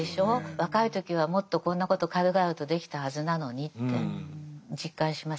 若い時はもっとこんなこと軽々とできたはずなのにって実感しますね。